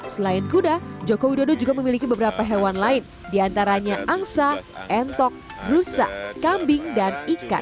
selain kuda joko widodo juga memiliki beberapa hewan lain diantaranya angsa entok rusa kambing dan ikan